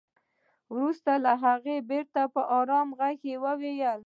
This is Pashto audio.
وروسته هغه بېرته په ارام ږغ وويل.